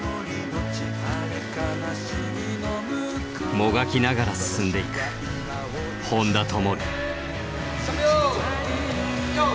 もがきながら進んでいく本多灯。